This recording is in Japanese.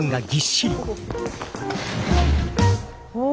お。